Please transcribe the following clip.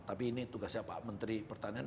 tapi ini tugasnya pak menteri pertanian